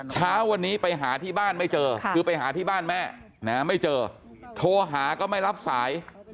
เช้าวันนี้ไปหาที่บ้านไม่เจอคือไปหาที่บ้านแม่ไม่เจอโทรหาก็ไม่รับสาย